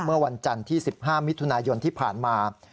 เมื่อวันจันทร์ที่๑๕มิถุนายนที่ผ่านมา